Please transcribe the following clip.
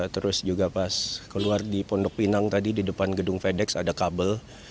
terus juga pas keluar di pondok pinang tadi di depan gedung fedex ada kabel